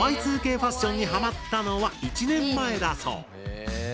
Ｙ２Ｋファッションにハマったのは１年前だそう。